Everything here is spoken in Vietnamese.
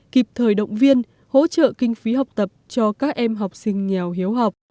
kịp thời động viên hỗ trợ kinh phí học tập cho các em học sinh nghèo hiếu học